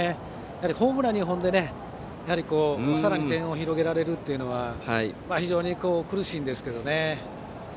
やはりホームラン２本でさらに点差を広げられるのは非常に苦しいんですけどね。